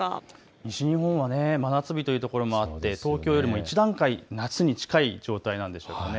西日本は真夏日というところもあって東京より１段階、夏に近い状態なんですよね。